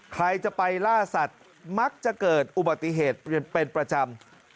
ใครจะไปล่าสัตว์มักจะเกิดอุบัติเหตุเป็นประจำ